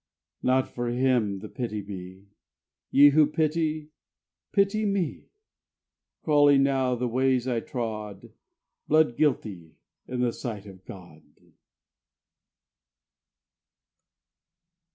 Not for him the pity be. Ye who pity, pity me, Crawling now the ways I trod, Blood guilty in sight of God.